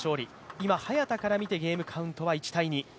今、早田から見てゲームカウントは１−２。